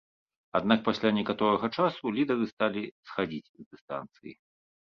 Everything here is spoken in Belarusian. Аднак пасля некаторага часу, лідары сталі схадзіць з дыстанцыі.